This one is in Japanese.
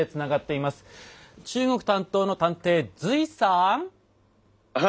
中国担当の探偵隋さん。